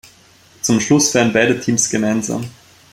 Zum Schluss feiern beide Teams gemeinsam.